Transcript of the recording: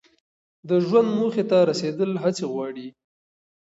د ژوند موخې ته رسیدل هڅې غواړي.